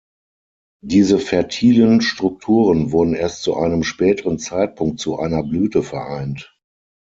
Diese fertilen Strukturen wurden erst zu einem späteren Zeitpunkt zu einer Blüte vereint.